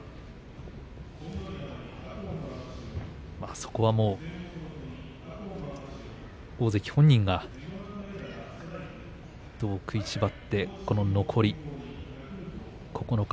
そこは大関本人がどう食いしばって残り９日